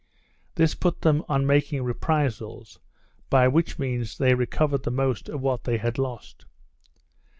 This put them on making reprisals, by which means they recovered the most of what they had lost.